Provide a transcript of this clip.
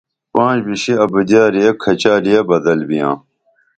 پانش بِشی اُبدیاری ایک کھچالیہ بدل بیاں